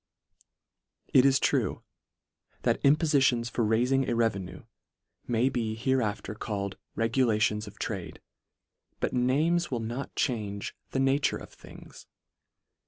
It is true, that impofitions for railing a revenue, may be hereafter called regulations of trade, but names will not change the na ture of things.